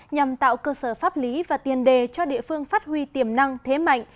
nhằm tạo cơ sở pháp lý và tiền đề cho địa phương phát huy tiềm năng thế mạnh